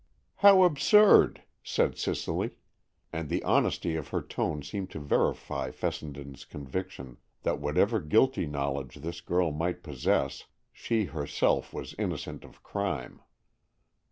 "How absurd!" said Cicely, and the honesty of her tone seemed to verify Fessenden's conviction that whatever guilty knowledge this girl might possess, she herself was innocent of crime.